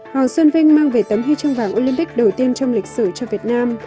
hoàng xuân vinh mang về tấm huy chương vàng olympic đầu tiên trong lịch sử cho việt nam